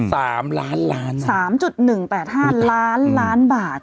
สามล้านล้านสามจุดหนึ่งแปดห้าล้านล้านบาท